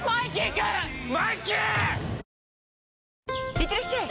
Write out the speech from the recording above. いってらっしゃい！